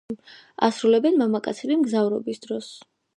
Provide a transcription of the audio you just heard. ასრულებენ მამაკაცები მგზავრობის დროს.